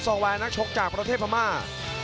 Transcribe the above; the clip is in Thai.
องแวร์นักชกจากประเทศพม่า